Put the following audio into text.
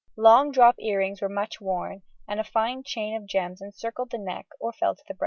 Large drop ear rings were much worn, and a fine chain of gems encircled the neck or fell to the breast.